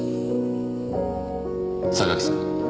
榊さん。